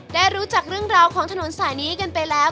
ได้รู้จักเรื่องราวของถนนสายนี้กันไปแล้ว